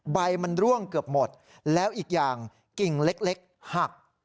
ใบมันร่วงเกือบหมดแล้วอีกอย่างกิ่งเล็กหัก